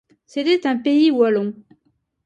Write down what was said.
C'était un pays wallon.